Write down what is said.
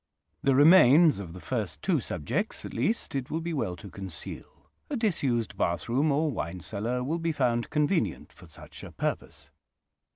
The remains of the first two subjects, at least, it will be well to conceal: a disused bathroom or wine cellar will be found convenient for such a purpose.